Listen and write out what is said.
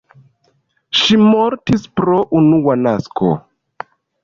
Ŝi mortis pro unua nasko.